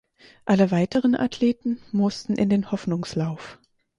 Alle weiteren Athleten mussten in den Hoffnungslauf.